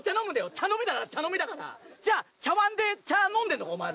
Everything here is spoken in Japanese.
茶飲みだから茶飲みだからじゃあ茶碗で茶飲んでんのか？